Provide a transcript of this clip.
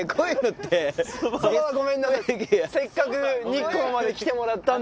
せっかく日光まで来てもらったんですけど。